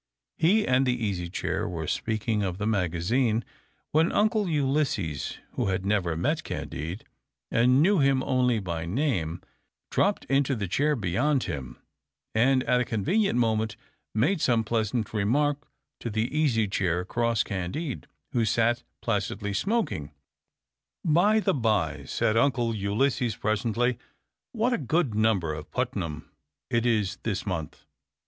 He and the Easy Chair were speaking of the magazine, when Uncle Ulysses, who had never met Candide, and knew him only by name, dropped into the chair beyond him, and at a convenient moment made some pleasant remark to the Easy Chair across Candide, who sat placidly smoking. "By the bye," said Uncle Ulysses presently, "what a good number of Putnam it is this month!